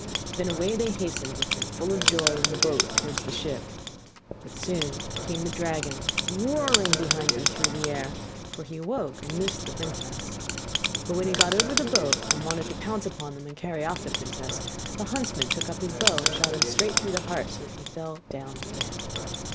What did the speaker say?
Then away they hastened with her full of joy in their boat towards the ship; but soon came the dragon roaring behind them through the air; for he awoke and missed the princess. But when he got over the boat, and wanted to pounce upon them and carry off the princess, the huntsman took up his bow and shot him straight through the heart so that he fell down dead.